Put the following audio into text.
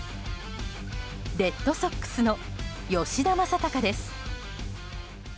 レッドソックスの吉田正尚です。